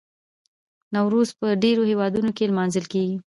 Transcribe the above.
نوروز په ډیرو هیوادونو کې لمانځل کیږي.